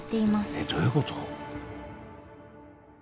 えっどういうこと？